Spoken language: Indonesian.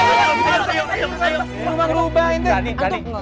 cuma ngubahin deh